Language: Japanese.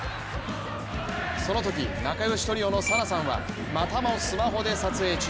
そのとき、仲良しトリオの早菜さんはまたもスマホで撮影中。